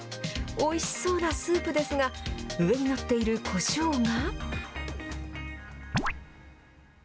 おいしそうなスープですが、上に載っているこしょうが。